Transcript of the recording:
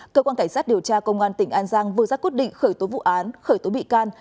cơ quan cảnh sát điều tra công an tỉnh an giang vừa ra quyết định khởi tố vụ án khởi tố bị can